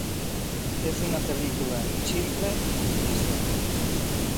És una pel·lícula ximple i trista.